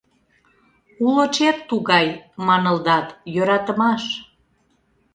Уло чер тугай — Манылдат «Йӧратымаш».